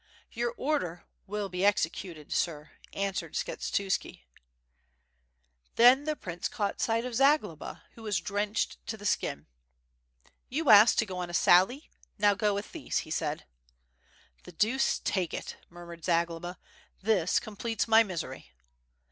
"Your order wil be executed. Sir," answered Skshetuski. Then the prince caught sight of Zagloba, who was drenched to the skin. "You asked to go on a sally, now go with these," he said. "The deuce take it," murmured Zagloba, "this completes my misery."